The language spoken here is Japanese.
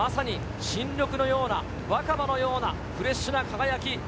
新緑のような、若葉のようなフレッシュな輝き。